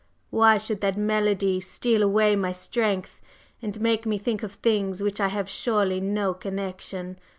"Why should that melody steal away my strength and make me think of things with which I have surely no connection!